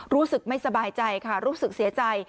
รู้สึกไม่สบายใจค่ะรู้สึกเสียใจ